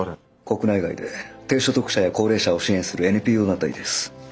国内外で低所得者や高齢者を支援するＮＰＯ団体です。